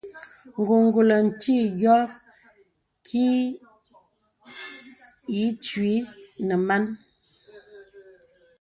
Ǹgùngùl nti yɔ ki yə̀ ǐ twi nə̀ man.